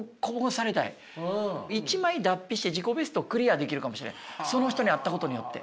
一枚脱皮して自己ベストをクリアできるかもしれないその人に会ったことによって。